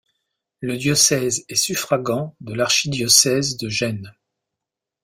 Le diocèse est suffragant de l'archidiocèse de Gênes.